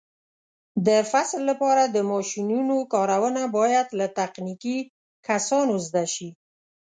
د فصل لپاره د ماشینونو کارونه باید له تخنیکي کسانو زده شي.